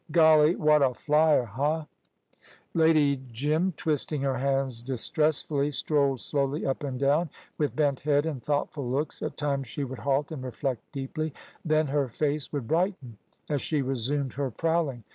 "Golly, wot a flyer! Huh!" Lady Jim, twisting her hands distressfully, strolled slowly up and down, with bent head and thoughtful looks. At times she would halt and reflect deeply; then her face would brighten as she resumed her prowling.